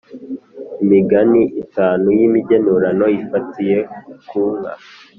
imigani itanu y’imigenurano ifatiye ku nka.